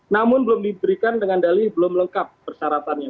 namun belum diberikan dengan dalih belum lengkap persyaratannya